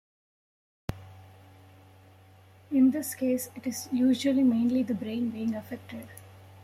In this case, it is usually mainly the brain being affected.